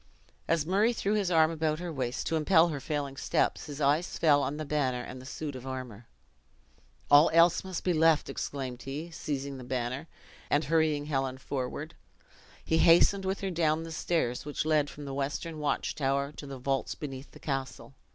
As Murray threw his arm about her waist, to impel her failing steps, his eyes fell on the banner and the suit of armor. "All else must be left," exclaimed he, seizing the banner; and hurrying Helen forward, he hastened with her down the stairs which led from the western watch tower to the vaults beneath the castle.